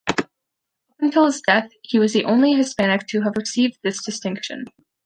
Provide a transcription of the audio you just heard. Up until his death, he was the only Hispanic to have received this distinction.